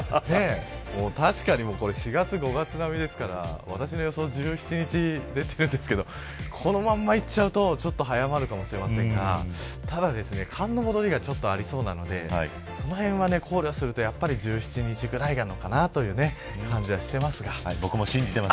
確かに４月、５月並みですから私の予想、１７日ですけどこのままいくとちょっと早まるかもしれませんがただ、寒の戻りがちょっとありそうなのでそのへんを考慮するとやっぱり１７日ぐらいなのかなという感じがしていますが。